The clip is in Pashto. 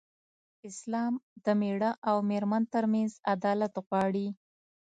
اسلام د مېړه او مېرمن تر منځ عدالت غواړي.